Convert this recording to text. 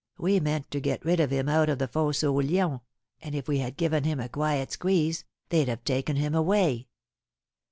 We meant to get rid of him out of the Fosse aux Lions, and if we had given him a quiet squeeze, they'd have taken him away."